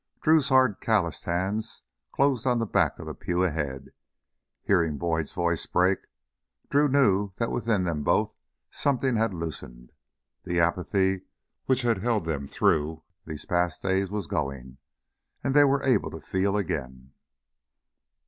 Drew's hard, calloused hands closed on the back of the pew ahead. Hearing Boyd's voice break, Drew knew that within them both something had loosened. The apathy which had held them through these past days was going, and they were able to feel again.